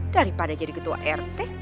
daripada jadi ketua rt